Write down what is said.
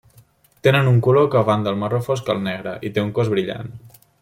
Tenen un color que van del marró fosc al negre i té un cos brillant.